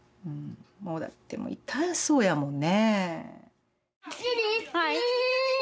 もうだってもう痛そうやもんね。